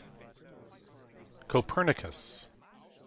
Copernicus.